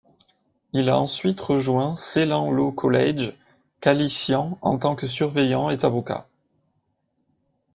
Il a ensuite rejoint Ceylan Law College, qualifiant en tant que surveillant et avocat.